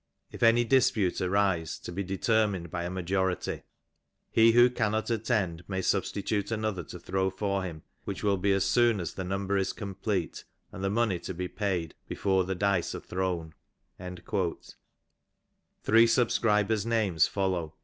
If any 'dispute arise, to be determined by a majority. He who cannot '* attend may substitute another to throw for him, which will be as '^ soon as the number is complete, and the money to be paid before "the dice are thrown/' Three subscribers' names follow.